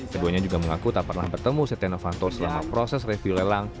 keduanya juga mengaku tak pernah bertemu setia novanto selama proses review lelang